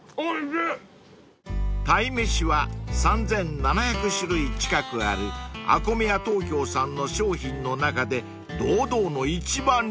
［鯛めしは３，７００種類近くあるＡＫＯＭＥＹＡＴＯＫＹＯさんの商品の中で堂々の一番人気］